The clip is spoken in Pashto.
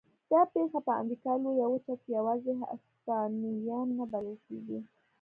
دا پېښه په امریکا لویه وچه کې یوازې هسپانویان نه بلل کېږي.